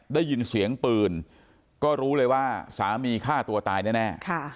ได้ยินเสียงปืนก็รู้เลยว่าสามีฆ่าตัวตายแน่